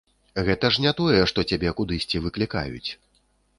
Гэта ж не тое, што цябе кудысьці выклікаюць.